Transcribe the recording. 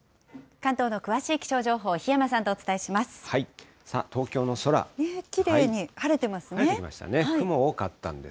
関東の詳しい気象情報、檜山さんとお伝えします。